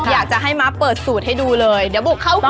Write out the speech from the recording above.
อยากจะให้ม้าเปิดสูตรให้ดูเลยเดี๋ยวบุกเข้า